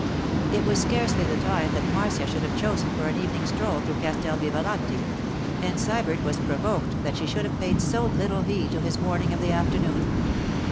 It was scarcely the time that Marcia should have chosen for an evening stroll through Castel Vivalanti; and Sybert was provoked that she should have paid so little heed to his warning of the afternoon.